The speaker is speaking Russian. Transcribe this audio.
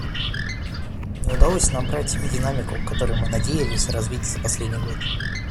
Не удалось набрать и динамику, которую мы надеялись развить за последний год.